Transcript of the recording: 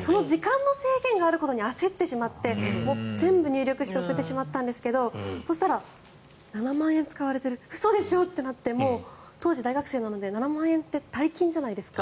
その時間の制限があることに焦ってしまって全部入力して送ってしまったんですけどそしたら、７万円使われてる嘘でしょ？ってなってもう当時、大学生なので７万円って大金じゃないですか。